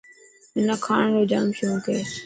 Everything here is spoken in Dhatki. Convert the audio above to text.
منا کاڻ رو جام شونڪ هي.